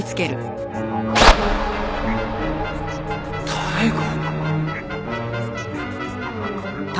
妙子！？